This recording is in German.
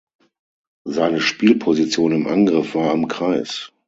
Seine Spielposition im Angriff war am Kreis.